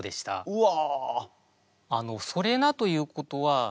うわ！